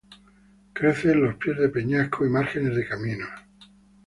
Crece en los pies de peñascos y márgenes de caminos.